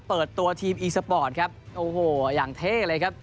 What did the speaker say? เปิดตัวทีมอีสปอร์ตครับโอ้โหอย่างเท่เลยครับ